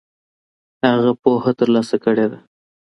هغه پوهه ترلاسه کړې ده.